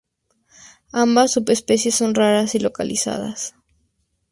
Ambas subespecies son raras y localizadas.